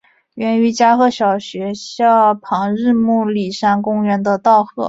源自于加贺小学校旁日暮里山公园的稻荷。